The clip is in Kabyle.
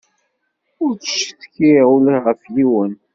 Ur ttcetkiɣ ula ɣef yiwen.